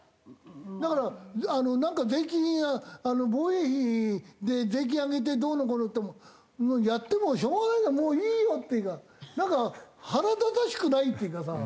だからなんか税金や防衛費で税金を上げてどうのこうのっていってもやってもしょうがないじゃんもういいよっていうかなんか腹立たしくないっていうかさ。